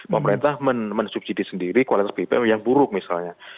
pemerintah mensubsidi sendiri kualitas bpom yang buruk misalnya